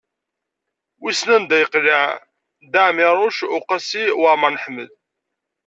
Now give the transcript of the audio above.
Wissen sanda akka i yeqleɛ Dda Ɛmiiruc u Qasi Waɛmer n Ḥmed.